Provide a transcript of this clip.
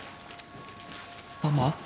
ママ？